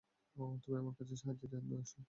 তুমি আমার কাছে সাহায্যের জন্য এসেছো।